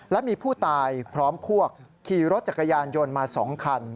และมีผู้ตายพร้อมพวกขี่รถจักรยานยนต์มา๒คัน